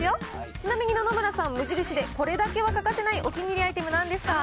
ちなみに、野々村さん、無印でこれだけは欠かせないお気に入りアイテム、なんですか？